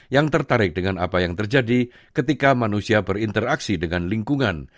yang tertarik dengan apa yang terjadi ketika manusia berinteraksi dengan lingkungan